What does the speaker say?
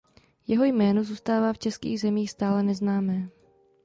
Jeho jméno zůstává v českých zemích stále neznámé.